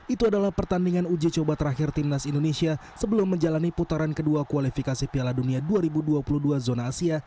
itu adalah pertandingan uji coba terakhir timnas indonesia sebelum menjalani putaran kedua kualifikasi piala dunia dua ribu dua puluh dua zona asia